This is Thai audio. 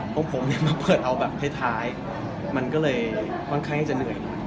พวกผมเนี่ยมาเปิดเอาแบบท้ายมันก็เลยค่อนข้างที่จะเหนื่อย